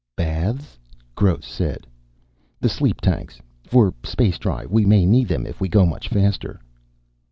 "Baths?" Gross said. "The sleep tanks. For space drive. We may need them if we go much faster."